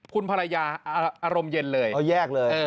คุณภรรยาอารมณ์เย็นเลยเขาแยกเลย